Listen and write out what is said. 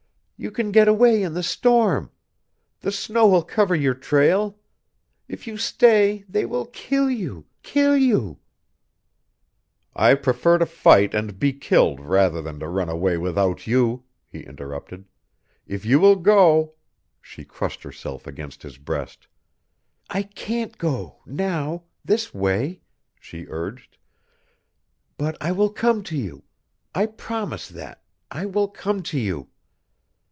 "You can get away in the storm. The snow will cover your trail. If you stay they will kill you kill you " "I prefer to fight and be killed rather than to run away without you," he interrupted. "If you will go " She crushed herself against his breast. "I can't go now this way " she urged. "But I will come to you. I promise that I will come to you."